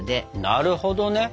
なるほどね。